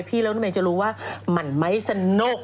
พี่แล้วลดเมล์จะรู้ว่ามันไม่สนุก